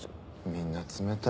みんな冷たい。